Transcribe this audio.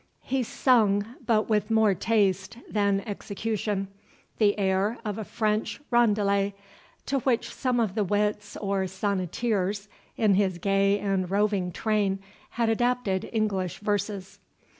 He sung, but with more taste than execution, the air of a French rondelai, to which some of the wits or sonnetteers, in his gay and roving train, had adapted English verses.